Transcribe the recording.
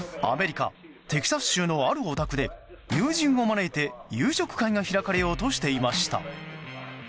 アメリカ・テキサス州のあるお宅で友人を招いて夕食会が開かれようとしていました。